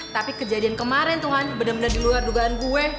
tapi kejadian kemarin tuh han bener bener diluar dugaan gue